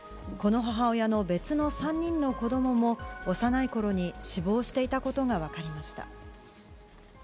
この母親の別の３人の子供も幼いころに死亡していたことが分かりました。